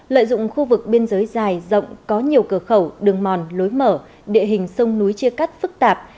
lợi dụng khu vực biên giới dài rộng có nhiều cửa khẩu đường mòn lối mở địa hình sông núi chia cắt phức tạp